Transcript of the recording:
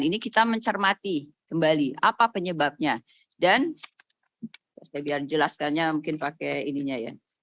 ini kita mencermati kembali apa penyebabnya dan saya biar jelaskannya mungkin pakai ininya ya